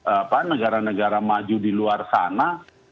apa negara negara maju di luar sana